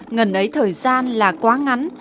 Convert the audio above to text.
ngần ấy thời gian là quá ngắn